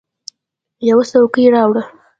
یوه څوکۍ راوړه !